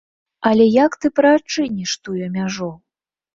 Але як ты прыадчыніш тую мяжу?